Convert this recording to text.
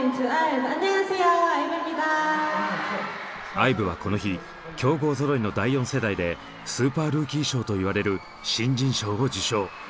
ＩＶＥはこの日強豪ぞろいの第４世代でスーパールーキー賞と言われる新人賞を受賞。